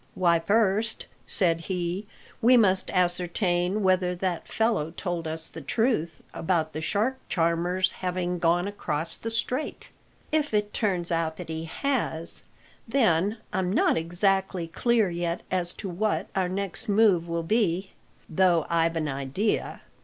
"Why, first," said he, "we must ascertain whether that fellow told us the truth about the shark charmer's having gone across the Strait. If it turns out that he has, then I'm not exactly clear yet as to what our next move will be, though I've an idea.